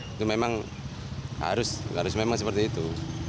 itu memang harus memang seperti itu